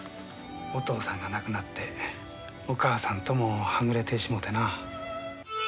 お父さんが亡くなってお母さんともはぐれてしもうてな。